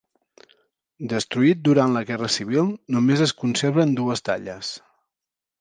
Destruït durant la guerra civil, només es conserven dues talles.